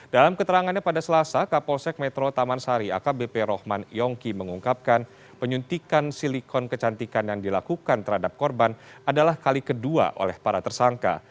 dalam keterangannya pada selasa kapolsek metro taman sari akbp rohman yongki mengungkapkan penyuntikan silikon kecantikan yang dilakukan terhadap korban adalah kali kedua oleh para tersangka